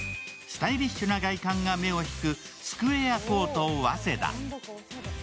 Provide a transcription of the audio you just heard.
スタイリッシュな外観が目を引く、スクエアコート早稲田。